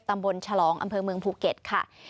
ตำบลฉลองอำเภอเมืองภูเก็ตค่ะ